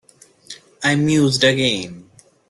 I mused again.